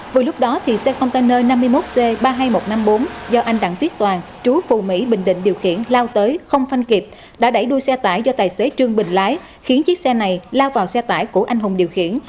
vừa lúc đó xe container năm mươi một c ba mươi hai nghìn một trăm năm mươi bốn do anh đặng viết toàn chú phù mỹ bình định điều khiển lao tới không phanh kịp đã đẩy đuôi xe tải do tài xế trương bình lái khiến chiếc xe này lao vào xe tải của anh hùng điều khiển